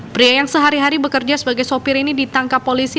pria yang sehari hari bekerja sebagai sopir ini ditangkap polisi